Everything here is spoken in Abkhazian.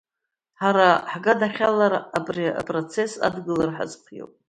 Ҳара ҳганахьала ари апроцесс адгылара ҳазхиоуп.